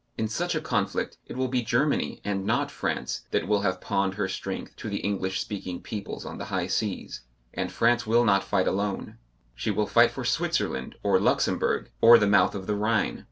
In such a conflict it will be Germany, and not France, that will have pawned her strength to the English speaking peoples on the high seas. And France will not fight alone. She will fight for Switzerland or Luxembourg, or the mouth of the Rhine.